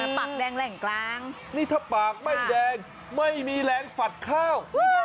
ปากแดงแหล่งกลางนี่ถ้าปากไม่แดงไม่มีแรงฝัดข้าว